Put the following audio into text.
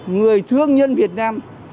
người thương nhân việt nam